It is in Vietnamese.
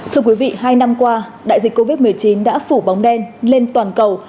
thưa quý vị hai năm qua đại dịch covid một mươi chín đã phủ bóng đen lên toàn cầu